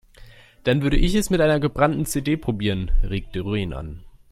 Dann würde ich es mit einer gebrannten CD probieren, regt Doreen an.